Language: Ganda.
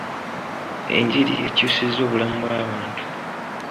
Enjiri ekyusizza obulamu bw'abantu.